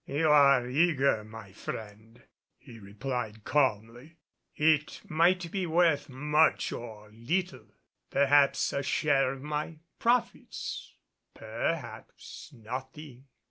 "You are eager, my friend," he replied calmly. "It might be worth much or little, perhaps a share of my profits perhaps nothing.